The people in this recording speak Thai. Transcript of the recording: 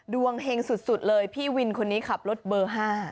เฮงสุดเลยพี่วินคนนี้ขับรถเบอร์๕